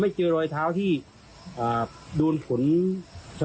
และก็คือว่าถึงแม้วันนี้จะพบรอยเท้าเสียแป้งจริงไหม